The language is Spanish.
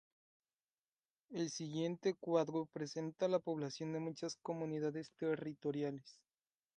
El siguiente cuadro presenta la población de muchas comunidades territoriales.